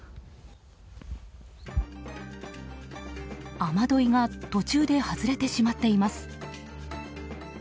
雨どいが途中で外れてしまっています。